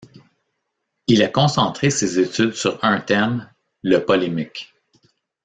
Il a concentré ses études sur un thème, le polémique.